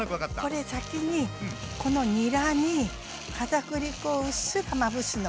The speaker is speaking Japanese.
これ先にこのにらに片栗粉をうっすらまぶすの。